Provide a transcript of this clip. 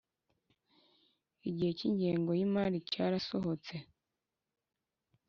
igice cy ingengo y imari cyara sohotse